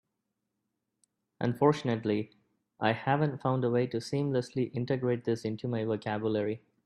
Unfortunately, I haven't found a way to seamlessly integrate this into my vocabulary.